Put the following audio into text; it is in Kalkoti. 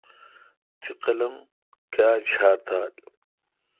تی قلم کیا ڄھار تھال؟